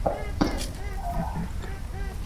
সর্দারের কোন একটা অনুষ্ঠান আছে বলে।